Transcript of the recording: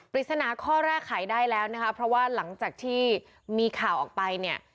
ปริศนาข้อแรกขายได้แล้วนะคะเพราะว่าหลังจากที่มีข่าวออกไปเนี่ย